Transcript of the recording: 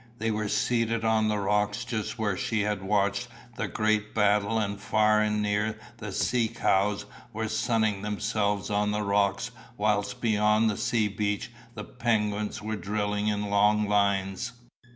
They were seated on the rocks just where she had watched the great battle and far and near the "sea cows" were sunning themselves on the rocks whilst beyond the seal beach the penguins were drilling in long lines.